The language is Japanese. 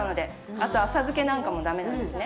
あと浅漬けなんかもだめなんですね。